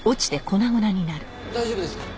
大丈夫ですか？